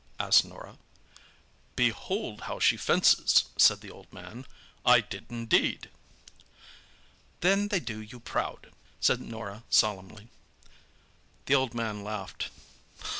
asked Norah. "Behold how she fences!" said the old man. "I did indeed!" "Then they do you proud!" said Norah solemnly. The old man laughed.